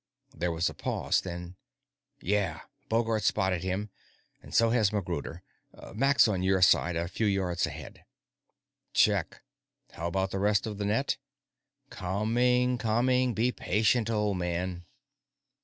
There was a pause, then: "Yeah. Bogart's spotted him, and so has MacGruder. Mac's on your side, a few yards ahead." "Check. How about the rest of the net?" "Coming, coming. Be patient, old man."